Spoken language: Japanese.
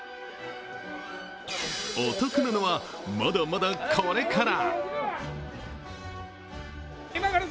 お得なのは、まだまだこれから。